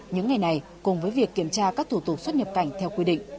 những ngày này cùng với việc kiểm tra các thủ tục xuất nhập cảnh theo quy định